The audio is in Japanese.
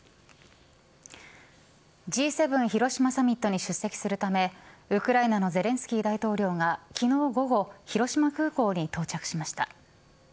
Ｇ７広島サミットに出席するためウクライナのゼレンスキー大統領が昨日午後広島空港に到着しました。